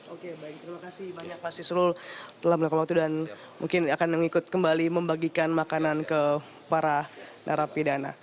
oke baik terima kasih banyak pak sisrul telah melakukan waktu dan mungkin akan mengikut kembali membagikan makanan ke para narapidana